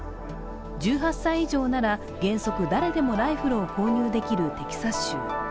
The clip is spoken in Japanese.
１８歳以上なら、原則誰でもライフルを購入できるテキサス州。